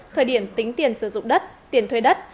thời điểm tính tiền sử dụng đất tiền thuê đất